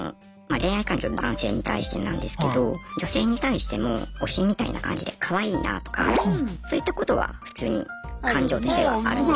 恋愛感情男性に対してなんですけど女性に対しても推しみたいな感じでかわいいなとかそういったことは普通に感情としてはあるんですね。